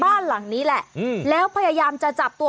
บ้าจริงเดี๋ยวเดี๋ยวเดี๋ยว